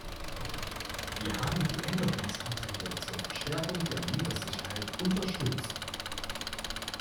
.– Wir haben die Änderungsanträge zur Verstärkung der Meeressicherheit unterstützt.